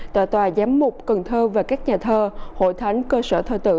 tại tòa giám mục cần thơ và các nhà thơ hội thánh cơ sở thơ tự